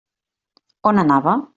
On anava?